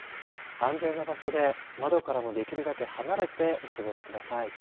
安全な場所で窓からもできるだけ離れてお過ごしください。